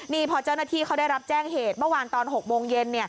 นี่พอเจ้าหน้าที่เขาได้รับแจ้งเหตุเมื่อวานตอน๖โมงเย็น